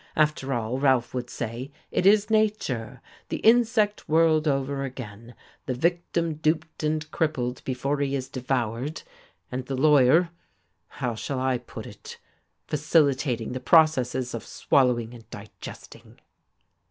After all, Ralph would say, it is nature, the insect world over again, the victim duped and crippled before he is devoured, and the lawyer how shall I put it? facilitating the processes of swallowing and digesting...."